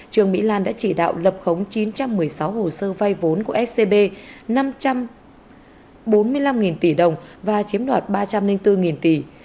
trương mỹ lan đã chỉ đạo lập khống chín trăm một mươi sáu hồ sơ vay vốn của scb năm trăm bốn mươi năm tỷ đồng và chiếm đoạt ba trăm linh bốn tỷ